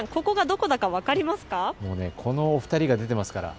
このお二人が出てますから。